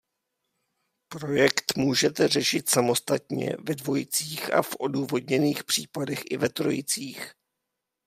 Projekt můžete řešit samostatně, ve dvojicích a v odůvodněných případech i ve trojicích.